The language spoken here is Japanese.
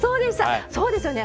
そうですよね